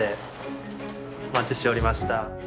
お待ちしておりました。